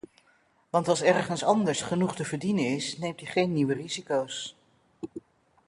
Want als ergens anders genoeg te verdienen is, neemt die geen nieuwe risico's.